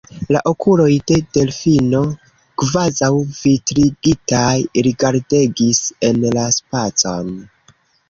La okuloj de Delfino, kvazaŭ vitrigitaj, rigardegis en la spacon.